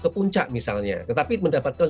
ke puncak misalnya tetapi mendapatkan